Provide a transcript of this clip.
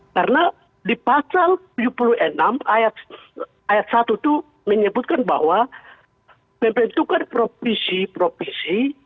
karena di pasal tujuh puluh enam ayat satu itu menyebutkan bahwa pemerintah itu kan provinsi provinsi